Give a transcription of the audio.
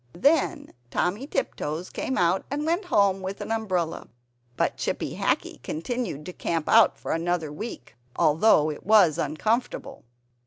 Then Timmy Tiptoes came out, and went home with an umbrella. But Chippy Hackee continued to camp out for another week, although it was uncomfortable.